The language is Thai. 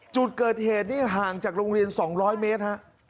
จุดเกิดเหตุนี่ห่างจากโรงเรียน๒๐๐เมตรฮะ